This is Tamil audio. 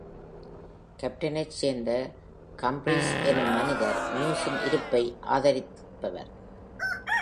கோப்டெனைச் சேர்ந்த ஹம்ப்ரிஸ் எனும் மனிதர், ம்யூஸின் இருப்பை ஆதரித்தபவர்.